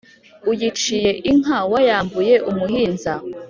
uyiciye inka wayambuye umuhinza.